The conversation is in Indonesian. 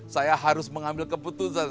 saya harus mengambil keputusan